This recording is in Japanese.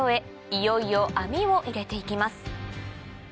いよいよ網を入れていきます